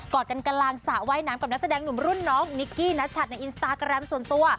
อดกันกลางสระว่ายน้ำกับนักแสดงหนุ่มรุ่นน้องนิกกี้นัชัดในอินสตาแกรมส่วนตัว